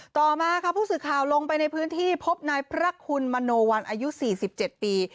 ต่อมาค่ะผู้สื่อข่าวลงไปในพื้นที่พบนายพระคุณมโนวันอายุ๔๗ปี